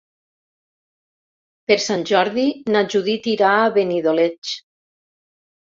Per Sant Jordi na Judit irà a Benidoleig.